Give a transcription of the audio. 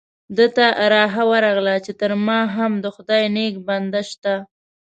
ده ته رخه ورغله چې تر ما هم د خدای نیک بنده شته.